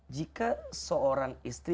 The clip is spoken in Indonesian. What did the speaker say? jika seorang istri